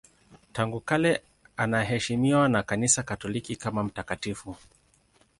Tangu kale anaheshimiwa na Kanisa Katoliki kama mtakatifu.